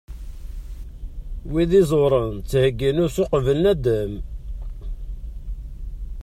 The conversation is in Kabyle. Wid iẓewren ttheggin usu uqbel naddam.